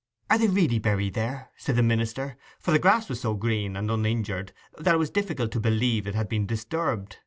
'Are they really buried there?' said the minister, for the grass was so green and uninjured that it was difficult to believe it had been disturbed.